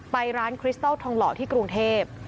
ไปร้านคริสตอลทองหล่อที่กรุงเทพ